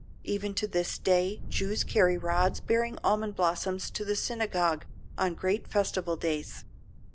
Even to this day Jews carry rods bearing almond blossoms to the synagogues on great festival days.